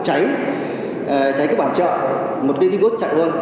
cháy cháy các bản chợ một ghi ghi gốt chạy thôi